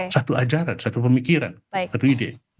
satu ajaran satu pemikiran satu ide